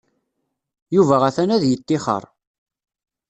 Yuba atan ad yettixer.